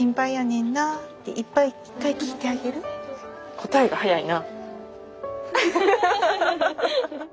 こたえが早いな。